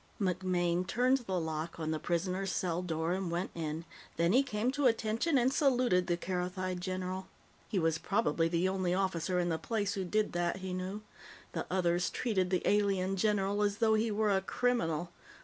MacMaine turned the lock on the prisoner's cell door and went in. Then he came to attention and saluted the Kerothi general. He was probably the only officer in the place who did that, he knew; the others treated the alien general as though he were a criminal.